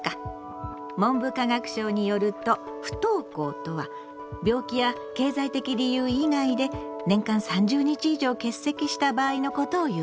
文部科学省によると不登校とは病気や経済的理由以外で年間３０日以上欠席した場合のことをいうの。